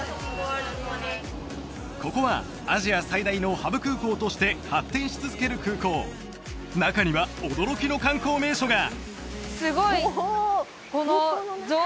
ここはアジア最大のハブ空港として発展し続ける空港中には驚きの観光名所が！